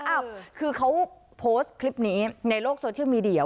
อ้าวคือเขาโพสต์คลิปนี้ในโลกโซเชียลมีเดีย